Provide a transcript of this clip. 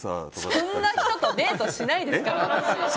そんな人とデートしないですから！